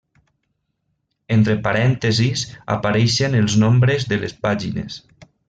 Entre parèntesis apareixen els nombres de les pàgines.